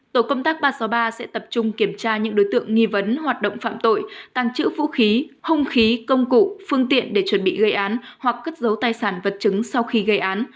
tổ công tác ba trăm sáu mươi ba sẽ tập trung kiểm tra những đối tượng nghi vấn hoạt động phạm tội tăng trữ vũ khí hung khí công cụ phương tiện để chuẩn bị gây án hoặc cất giấu tài sản vật chứng sau khi gây án